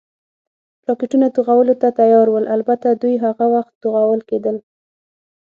راکټونه، توغولو ته تیار ول، البته دوی هغه وخت توغول کېدل.